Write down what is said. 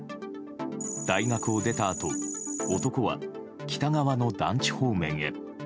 大学を出たあと男は北側の団地方面へ。